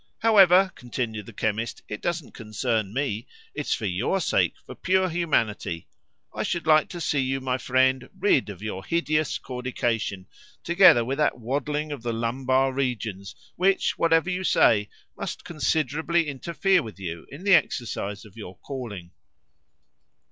"However," continued the chemist, "it doesn't concern me. It's for your sake, for pure humanity! I should like to see you, my friend, rid of your hideous caudication, together with that waddling of the lumbar regions which, whatever you say, must considerably interfere with you in the exercise of your calling."